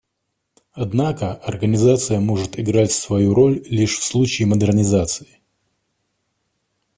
Однако Организация может играть свою роль лишь в случае модернизации.